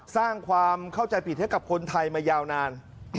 สร้างความเข้าใจผิดให้กับคนไทยมายาวนาน